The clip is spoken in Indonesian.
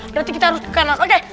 berarti kita harus ke kanak oke